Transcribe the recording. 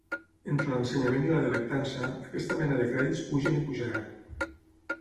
Entre l'ensenyament i la delectança, aquesta mena de crèdits pugen i pujaran.